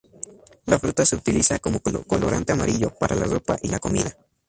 La fruta se utiliza como colorante amarillo, para la ropa y la comida.